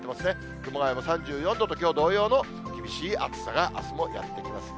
熊谷も３４度と、きょう同様の厳しい暑さがあすも予想されます。